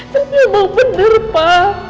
tapi emang bener pa